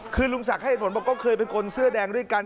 คือลุงศักดิ์ให้เหตุผลบอกก็เคยเป็นคนเสื้อแดงด้วยกัน